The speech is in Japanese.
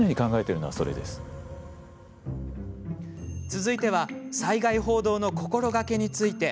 続いては災害報道の心がけについて。